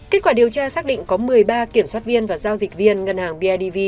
kết quả điều tra xác định có một mươi ba kiểm soát viên và giao dịch viên ngân hàng bidv